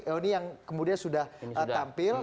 ini yang kemudian sudah tampil